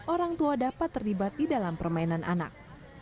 orang tua dapat terlibat di dalam permainan anak